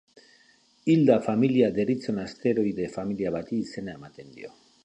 Hilda familia deritzon asteroide familia bati izena ematen dio.